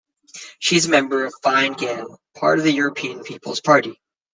She is a member of Fine Gael, part of the European People's Party.